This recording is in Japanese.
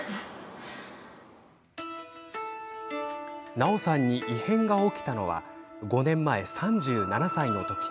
奈緒さんに異変が起きたのは５年前、３７歳の時。